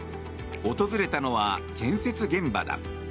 訪れたのは建設現場だ。